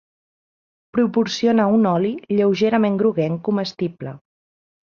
Proporciona un oli lleugerament groguenc comestible.